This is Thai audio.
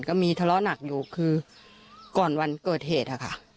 ก็มีทะเลาะหนักอยู่คือก่อนวันเกิดเหตุอะค่ะ